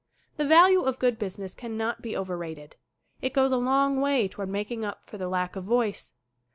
The value of good business cannot be over rated. It goes a long way toward making up for the lack of voice.